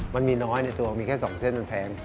มันมีน้อยในตัวมีแค่๒เส้นมันแพง